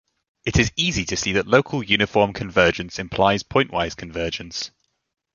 It is easy to see that local uniform convergence implies pointwise convergence.